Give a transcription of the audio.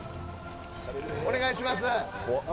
お願いします。